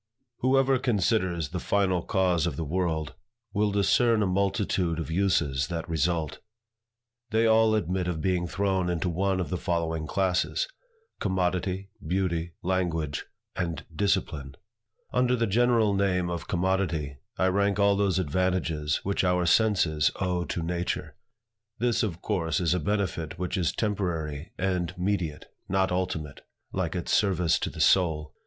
WHOEVER considers the final cause of the world, will discern a multitude of uses that result. They all admit of being thrown into one of the following classes; Commodity; Beauty; Language; and Discipline. Under the general name of Commodity, I rank all those advantages which our senses owe to nature. This, of course, is a benefit which is temporary and mediate, not ultimate, like its service to the soul.